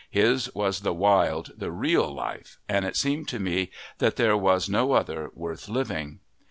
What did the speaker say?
His was the wild, the real life, and it seemed to me that there was no other worth living.